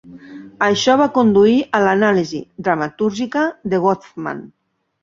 Això va conduir a l'anàlisi dramatúrgica de Goffman.